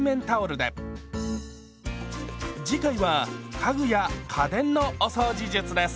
次回は家具や家電のお掃除術です。